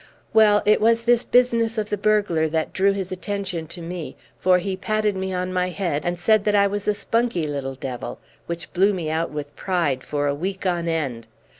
Well, it was this business of the burglar that drew his attention to me; for he patted me on my head, and said that I was a spunky little devil, which blew me out with pride for a week on end.